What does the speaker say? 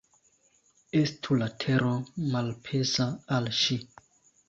Estu la tero malpeza al ŝi.